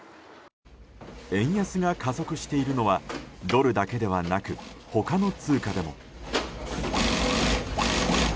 円安が加速しているのはドルだけではなく他の通貨でも。